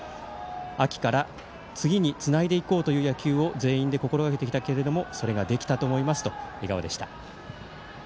秋から次につないでいこうという野球を全員で心がけてきたけどもそれができましたと笑顔でした。